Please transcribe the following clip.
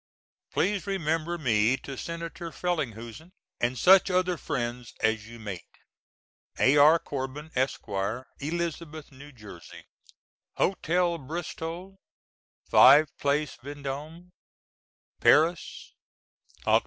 Please remember me to Senator Frelinghuysen and such other friends as you meet. A.R. CORBIN, ESQ., Elizabeth, N.J. HOTEL BRISTOL 5 PLACE VENDÔME. Paris, Oct.